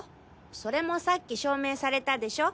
それもさっき証明されたでしょ。